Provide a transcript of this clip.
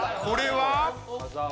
これは？